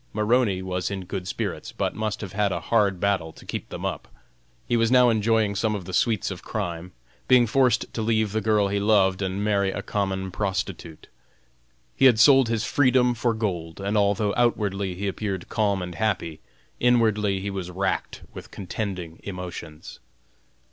Maroney was in good spirits, but must have had a hard battle to keep them up. He was now enjoying some of the sweets of crime, being forced to leave the girl he loved and marry a common prostitute. He had sold his freedom for gold, and although outwardly he appeared calm and happy, inwardly he was racked with contending emotions.